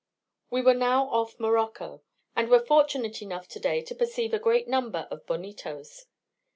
We were now off Morocco, and were fortunate enough today to perceive a great number of bonitos.